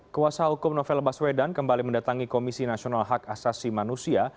kuasa hukum novel baswedan kembali mendatangi komisi nasional hak asasi manusia